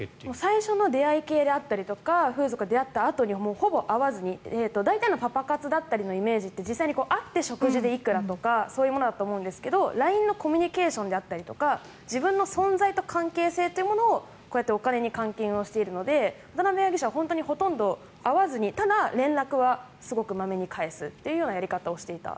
最初の出会い系とか風俗で会ったあとはほぼ会わずに大体のパパ活のイメージって会って、食事でいくらとかそういうものだと思うんですがＬＩＮＥのコミュニケーションであったりとか自分の存在と関係性をこうやってお金に換金しているので渡邊容疑者は本当にほとんど会わずにただ、連絡はまめに返すというやり方をしていた。